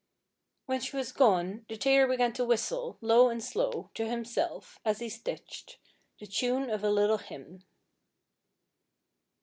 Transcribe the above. When she was gone the tailor began to whistle, low and slow, to himself, as he stitched, the tune of a little hymn.